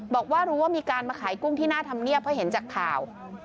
บอกว่ารู้ว่ามีการมาขายกุ้งที่หน้าธรรมเนียบเพราะเห็นจากข่าว